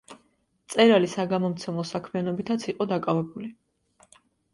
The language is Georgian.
მწერალი საგამომცემლო საქმიანობითაც იყო დაკავებული.